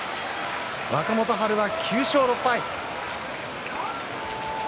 若元春は９勝６敗。